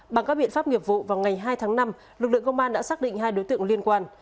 bằng các biện pháp nghiệp vụ vào ngày hai tháng năm lực lượng công an đã xác định hai đối tượng liên quan